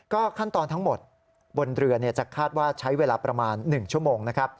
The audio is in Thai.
ขั้นตอนทั้งหมดบนเรือจะคาดว่าใช้เวลาประมาณ๑ชั่วโมงนะครับ